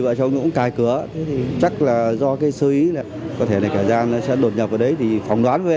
lấy trộm một mươi triệu đồng